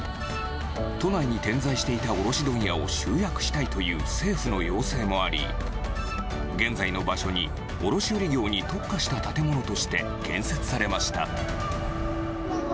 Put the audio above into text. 都内に点在していた卸問屋を集約したいという政府の要請もあり、現在の場所に、卸売業に特化した建物として建設されました。